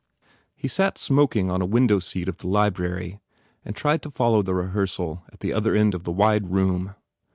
He sat smoking on a window seat of the library and tried to follow the rehearsal at the other end of the wide room.